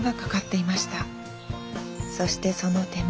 そしてその手間。